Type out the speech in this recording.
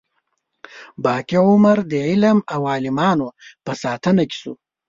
باقي عمر د علم او عالمانو په ساتنه کې شو.